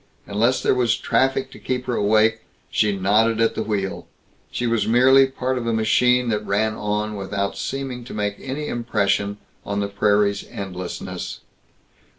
Unless there was traffic to keep her awake, she nodded at the wheel; she was merely a part of a machine that ran on without seeming to make any impression on the prairie's endlessness.